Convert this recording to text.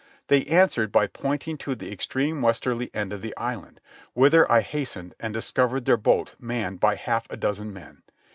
They answered by pointing to the extreme westerly end of the island, whither I hastened and discovered their boat manned by half a dozen men.